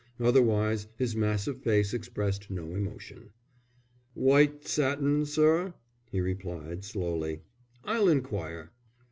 Otherwise his massive face expressed no emotion. "White satin, sir?" he repeated, slowly. "I'll inquire."